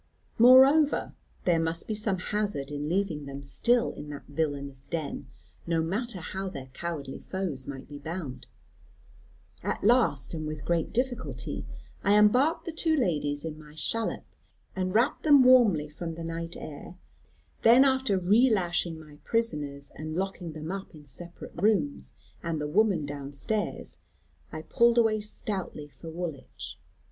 Moreover, there must be some hazard in leaving them still in that villanous den, no matter how their cowardly foes might be bound. At last, and with great difficulty, I embarked the two ladies in my shallop, and wrapped them warmly from the night air; then after relashing my prisoners, and locking them up in separate rooms, and the woman downstairs, I pulled away stoutly for Woolwich.